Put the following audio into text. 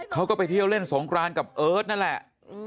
เขาก็ไปเที่ยวเล่นสงครานกับเอิร์ทนั่นแหละ